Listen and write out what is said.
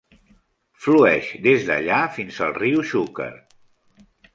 Flueix des d'allà fins al riu Xúquer.